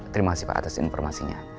terima kasih pak atas informasinya